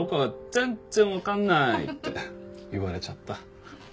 全然わかんない！」って言われちゃった。